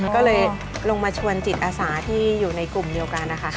ก็เลยลงมาชวนจิตอาสาที่อยู่ในกลุ่มเดียวกันนะคะ